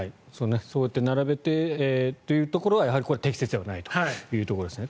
そうやって並べてというところは適切ではないというところですね。